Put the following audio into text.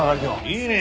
いいね。